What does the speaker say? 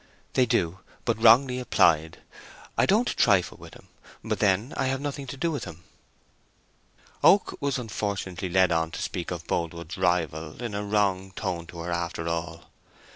"They do, but wrongly applied. I don't trifle with him; but then, I have nothing to do with him." Oak was unfortunately led on to speak of Boldwood's rival in a wrong tone to her after all.